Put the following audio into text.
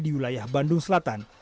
di wilayah bandung selatan